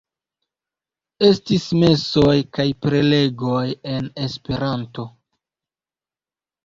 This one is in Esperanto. Estis mesoj kaj prelegoj en Esperanto.